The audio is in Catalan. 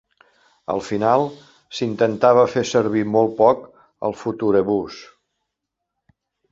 Al final, s'intentava fer servir molt poc el Futurebus.